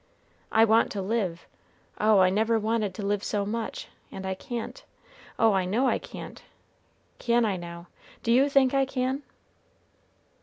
I want to live, oh, I never wanted to live so much, and I can't, oh, I know I can't. Can I now, do you think I can?"